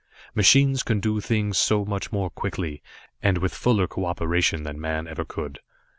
Machines can do things much more quickly, and with fuller cooperation than man ever could.